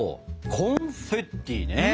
コンフェッティね！